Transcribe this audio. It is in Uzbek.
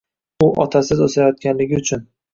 U otasiz o‘sayotganligi uchun.